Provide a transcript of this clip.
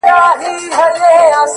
اوس مي تعويذ له ډېره خروښه چاودي!